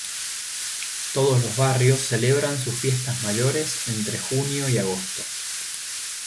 Todos los barrios celebran sus fiestas mayores entre junio y agosto.